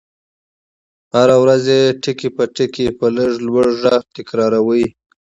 هره ورځ يې ټکي په ټکي په لږ لوړ غږ تکراروئ.